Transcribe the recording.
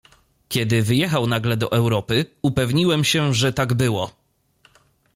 "Kiedy wyjechał nagle do Europy, upewniłem się, że tak było."